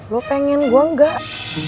lo pengen gue enggak